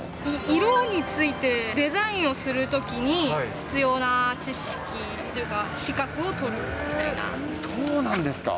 色についてデザインをするときに、必要な知識というか、そうなんですか。